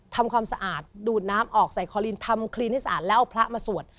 ทำความสะอาดดูดน้ำออกใส่คอลินทำคลีนให้สะอาดแล้วเอาพระมาสวด